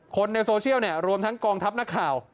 คนในโซเชียลเนี่ยรวมทั้งกองทัพนักข่าว